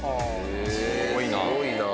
すごいな。